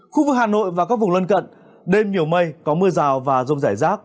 khu vực hà nội và các vùng lân cận đêm nhiều mây có mưa rào và rông rải rác